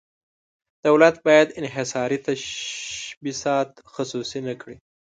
دولت باید انحصاري تشبثات خصوصي نه کړي.